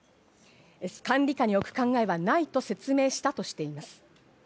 管理下に置く考えはないと説明したとしています。